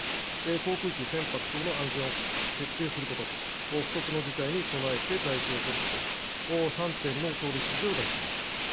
航空機、船舶等の安全を徹底することと不測の事態に備えて態勢を取ることと３点の総理指示を出しています。